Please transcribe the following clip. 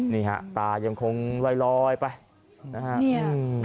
นี่ฮะตายังคงลอยไปนะฮะ